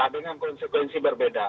dengan konsekuensi berbeda